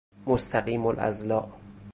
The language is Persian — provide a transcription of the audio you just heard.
مستقیم الاضلاع